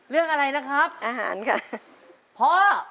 เรื่องอะไรนะครับอาหารค่ะพ่อ